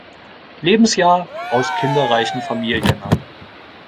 Lebensjahr aus kinderreichen Familien an.